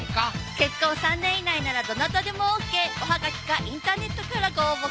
結婚３年以内ならどなたでもＯＫおはがきかインターネットからご応募ください